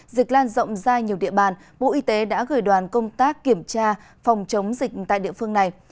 dịch lan rộng ra nhiều địa bàn bộ y tế đã gửi đoàn công tác kiểm tra phòng chống dịch tại địa phương này